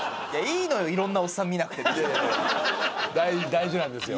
大事なんですよ。